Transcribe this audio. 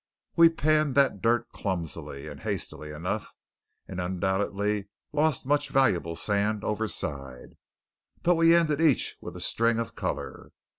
We panned that dirt clumsily and hastily enough; and undoubtedly lost much valuable sand overside; but we ended each with a string of colour.